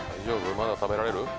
まだ食べられる？